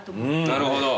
なるほど。